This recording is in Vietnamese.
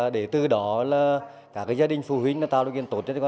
để từ đó là cả gia đình phụ huynh tạo được kiến tốt cho chúng ta